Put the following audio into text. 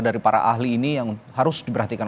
dari para ahli ini yang harus diperhatikan